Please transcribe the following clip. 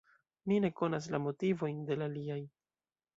Mi ne konas la motivojn de la aliaj.